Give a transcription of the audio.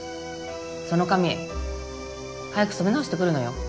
その髪早く染め直してくるのよ。